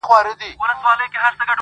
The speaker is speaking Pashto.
سوزم په انګار د لرې لرې نه